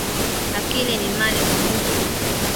Akili ni mali kwa mutu